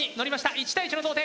１対１の同点。